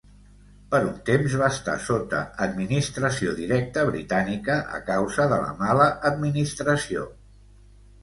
Per un temps va estar sota administració directa britànica a causa de la mala administració.